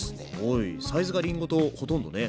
サイズがりんごとほとんどね。